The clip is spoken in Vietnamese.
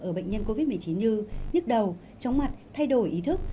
ở bệnh nhân covid một mươi chín như nhức đầu chóng mặt thay đổi ý thức